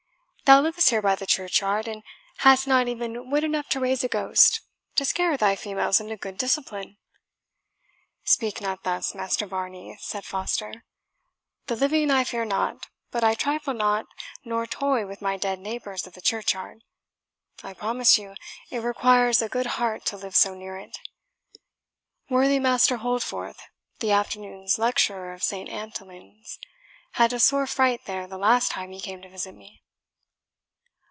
Thou livest here by the churchyard, and hast not even wit enough to raise a ghost, to scare thy females into good discipline." "Speak not thus, Master Varney," said Foster; "the living I fear not, but I trifle not nor toy with my dead neighbours of the churchyard. I promise you, it requires a good heart to live so near it. Worthy Master Holdforth, the afternoon's lecturer of Saint Antonlin's, had a sore fright there the last time he came to visit me."